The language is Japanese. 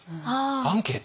アンケート？